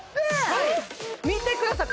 はい見てください